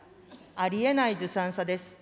ありえないずさんさです。